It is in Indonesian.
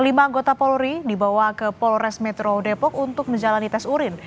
lima anggota polri dibawa ke polres metro depok untuk menjalani tes urin